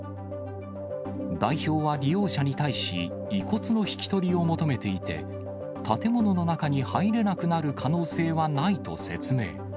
代表は利用者に対し、遺骨の引き取りを求めていて、建物の中に入れなくなる可能性はないと説明。